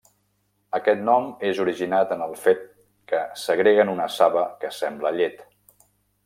Aquest nom és originat en el fet que segreguen una saba que sembla llet.